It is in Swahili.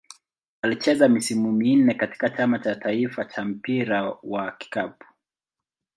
Alicheza misimu minne katika Chama cha taifa cha mpira wa kikapu.